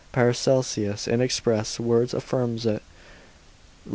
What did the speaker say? Paracelsus in express words affirms it, lib.